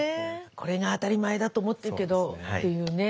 これが当たり前だと思ってるけどっていうね。